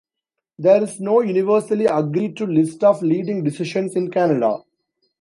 There is no universally agreed-to list of "leading decisions" in Canada.